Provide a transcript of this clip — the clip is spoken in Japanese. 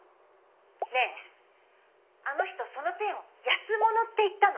ねえあの人そのペンを安物って言ったの？